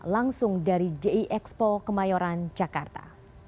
langsung dari jiexpo kemayoran jakarta